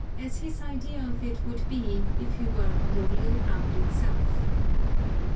as his idea of it would be if he were on the real ground itself.